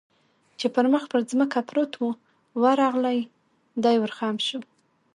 چې پر مخ پر ځمکه پروت و، ورغلی، دی ور خم شو.